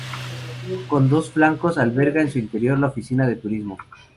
Con dos flancos, alberga en su interior la Oficina de Turismo.